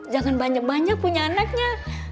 jangan banyak banyak punya anaknya